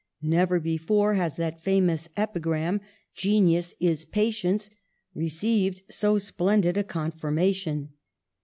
Never before has that famous epigram, 'Genius is patience/ received so splendid a confirmation.